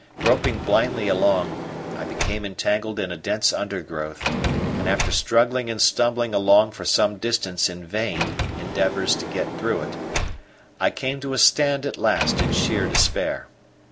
Groping blindly along, I became entangled in a dense undergrowth, and after struggling and stumbling along for some distance in vain endeavours to get through it, I came to a stand at last in sheer despair.